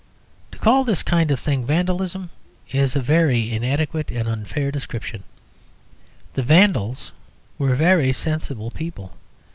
To call this kind of thing Vandalism is a very inadequate and unfair description. The Vandals were very sensible people.